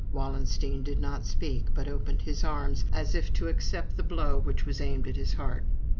Wallenstein did not speak, but opened his arms, as if to accept the blow which was aimed at his heart.